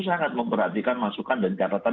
sangat memperhatikan masukan dan catatan